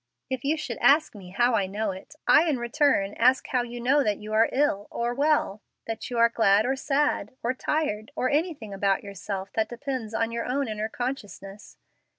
If you should ask me how I know it, I in return ask how you know that you are ill, or well, that you are glad or sad, or tired, or anything about yourself that depends on your own inner consciousness?